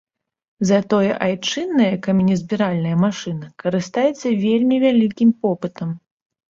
Затое айчынная каменезбіральная машына карыстаецца вельмі вялікім попытам.